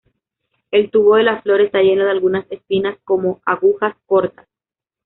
El tubo de la flor está lleno de algunas espinas como agujas cortas.